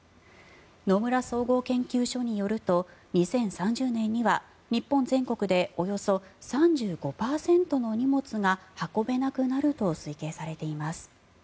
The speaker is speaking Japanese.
野村総合研究所によると２０３０年には日本全国でおよそ３５％の荷物が運べなくなると推計されています。